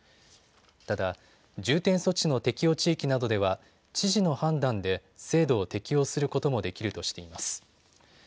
ただ重点措置の適用地域などでは知事の判断で制度を適用することもできるとしています。